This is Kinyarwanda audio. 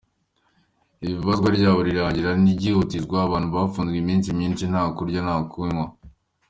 Ibazwa ryabo rirarangwa n’ihutazwa, abantu bafunzwe iminsi myinshi nta kurya nta no kunywa.